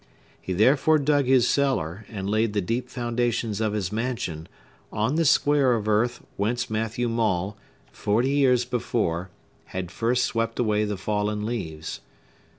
He therefore dug his cellar, and laid the deep foundations of his mansion, on the square of earth whence Matthew Maule, forty years before, had first swept away the fallen leaves.